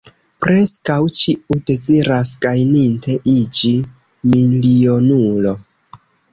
Preskaŭ ĉiu deziras gajninte iĝi milionulo.